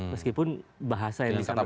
meskipun bahasa yang disatakan